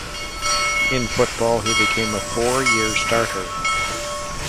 In football, he became a four-year starter.